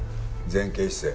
前傾姿勢。